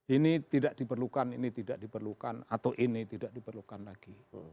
ini tidak diperlukan ini tidak diperlukan atau ini tidak diperlukan lagi